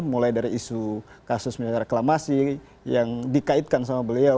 mulai dari isu kasus misalnya reklamasi yang dikaitkan sama beliau